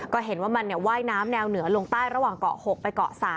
ก็เห็นว่ามันว่ายน้ำแนวเหนือลงใต้ระหว่างเกาะ๖ไปเกาะ๓